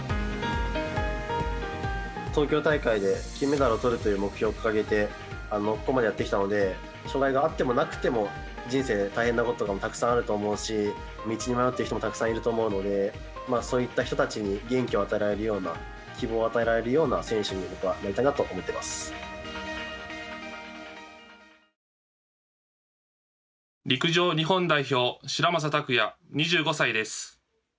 東京大会で金メダルを取るという目標を掲げてここまでやってきたので障がいがあってもなくても人生で大変なことはたくさんあると思うし道に迷ってる人もたくさんいると思うのでそういった人たちに元気を与えられるような希望を与えられるような選手に陸上、日本代表白砂匠庸、２５歳です。